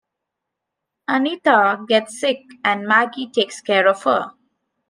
Anita gets sick and Maggie takes care of her.